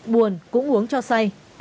buồn cũng uống cho say